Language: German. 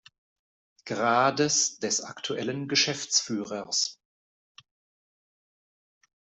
Grades des aktuellen Geschäftsführers.